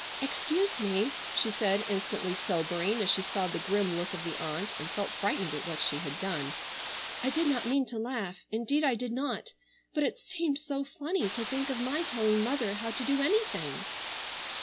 "Excuse me," she said, instantly sobering as she saw the grim look of the aunt, and felt frightened at what she had done. "I did not mean to laugh, indeed I did not; but it seemed so funny to think of my telling mother how to do anything."